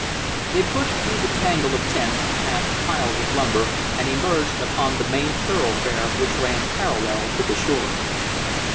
They pushed through the tangle of tents, past piles of lumber, and emerged upon the main thoroughfare, which ran parallel to the shore.